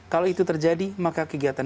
kalau itu terjadi maka kegiatan